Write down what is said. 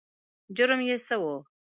جرم یې څه و؟